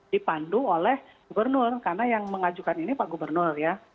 dipandu oleh gubernur karena yang mengajukan ini pak gubernur ya